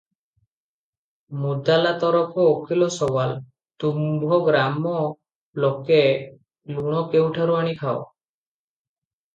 ମୁଦାଲା ତରଫ ଉକୀଲ ସୱାଲ - ତୁମ୍ଭ ଗ୍ରାମ ଲୋକେ ଲୁଣ କେଉଁଠାରୁ ଆଣି ଖାଅ?